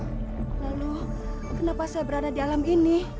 lalu kenapa saya berada di alam ini